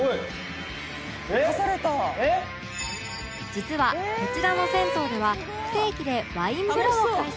実はこちらの銭湯では不定期でワイン風呂を開催